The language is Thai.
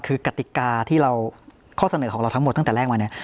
คือกติกาข้อเสนอของเราทั้งหมดตั้งแต่แรกมัน